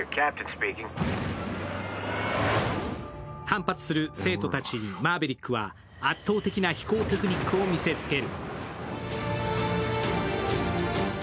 反発する生徒たちにマーヴェリックは圧倒的な飛行テクニックを見せつける。